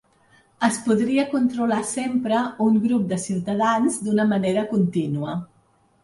Es podria controlar sempre un grup de ciutadans d’una manera contínua.